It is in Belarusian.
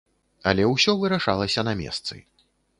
Але ўсё вырашалася на месцы.